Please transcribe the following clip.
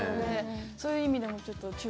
そういう意味でもちょっと注目。